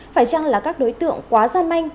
phải chăng là các đối tượng quá gian manh